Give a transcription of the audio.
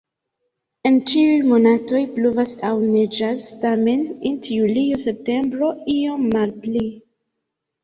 En ĉiuj monatoj pluvas aŭ neĝas, tamen int julio-septembro iom malpli.